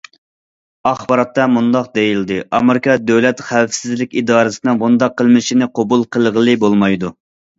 ئاخباراتتا مۇنداق دېيىلدى: ئامېرىكا دۆلەت خەۋپسىزلىك ئىدارىسىنىڭ بۇنداق قىلمىشىنى قوبۇل قىلغىلى بولمايدۇ.